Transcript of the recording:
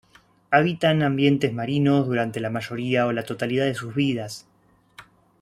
Habitan ambientes marinos durante la mayoría o la totalidad de sus vidas.